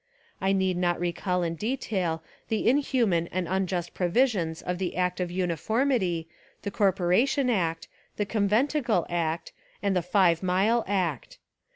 I need not recall in detail the inhuman and unjust provisions of 297 Essays and Literary Studies the Act of Uniformity, the Corporation Act, the Conventicle Act, and the Five Mile Act.